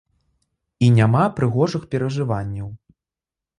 І няма прыгожых перажыванняў.